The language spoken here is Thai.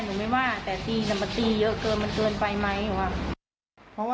หนูไม่ว่าแต่ตีมันตีเยอะเกินมันเกินไปไหมหนูว่า